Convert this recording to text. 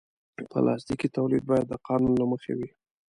پلاستيکي تولید باید د قانون له مخې وي.